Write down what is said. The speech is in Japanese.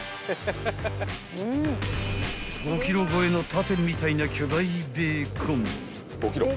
［５ｋｇ超えの盾みたいな巨大ベーコン］